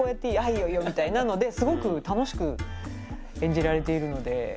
「いいよいいよ」みたいなのですごく楽しく演じられているので。